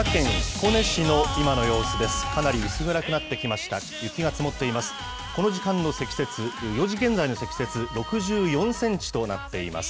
この時間の積雪、４時現在の積雪、６４センチとなっています。